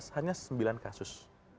hanya sembilan kasus